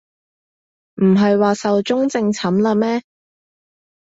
唔係話壽終正寢喇咩